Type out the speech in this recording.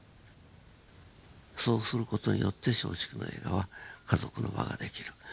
そうする事によって松竹の映画は家族の輪が出来る。